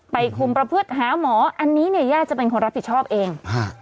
คุมประพฤติหาหมออันนี้เนี่ยย่าจะเป็นคนรับผิดชอบเอง